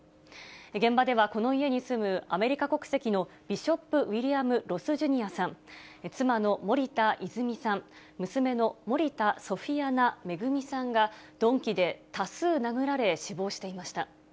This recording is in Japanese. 現場ではこの家に住むアメリカ国籍のビショップ・ウィリアム・ロス・ジュニアさん、妻の森田泉さん、娘の森田ソフィアナ恵さんが、鈍器で多数殴られ、死亡していました。